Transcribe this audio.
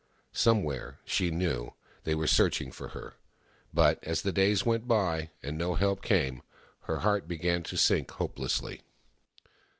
Somewhere, she knew, they were searching for her. But as the days went by, and no help came, her heart began to sink hopelessly.